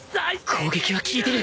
攻撃は効いてる！